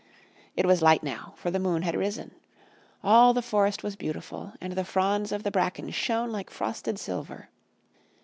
It was light now, for the moon had risen. All the forest was beautiful, and the fronds of the bracken shone like frosted silver.